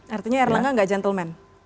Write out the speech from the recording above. artinya erlangga gak gentleman